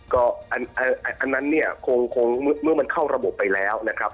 ก็อันนั้นเนี่ยคงเมื่อมันเข้าระบบไปแล้วนะครับ